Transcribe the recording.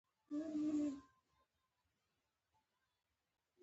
رڼا د ټولو رنګونو اصلي ښکلا ده.